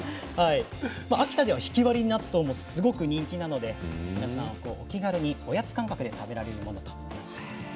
秋田ではひき割り納豆もすごく人気なので皆さんも気軽におやつ感覚で食べられるということでした。